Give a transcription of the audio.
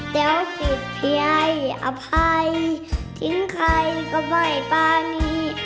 เต๋วศิษย์เพียยยอภัยทิ้งใครก็บ่อยบ้านี้